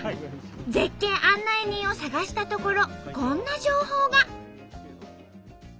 絶景案内人を探したところこんな情報が。